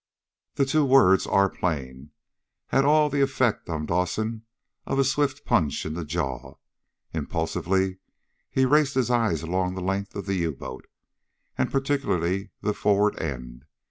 The two words "our plane" had all of the effect on Dawson of a swift punch to the jaw. Impulsively he raced his eyes along the length of the U boat, and particularly the forward end.